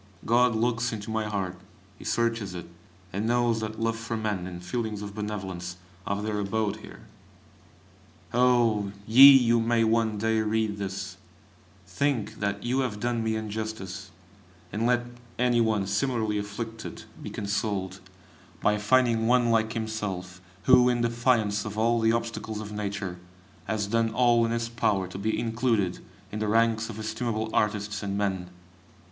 God looks into my heart, He searches it, and knows that love for man and feelings of benevolence have their abode there! Oh! ye who may one day read this, think that you have done me injustice, and let any one similarly afflicted be consoled, by finding one like himself, who, in defiance of all the obstacles of Nature, has done all in his power to be included in the ranks of estimable artists and men.